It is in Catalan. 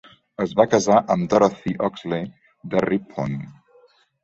Es va casar amb Dorothy Oxley de Ripon.